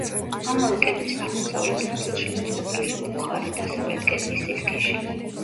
ამავე კედლის აღოსავლეთ ნაწილში მოწყობილია ბუხარი დასავლეთ კედლის სისქეში.